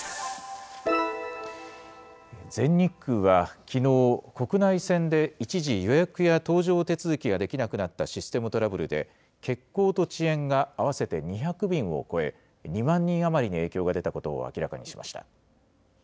全日空はきのう、国内線で一時、予約や搭乗手続きができなくなったシステムトラブルで、欠航と遅延が合わせて２００便を超え、２万人余りに影響が出たことを明らかにしました。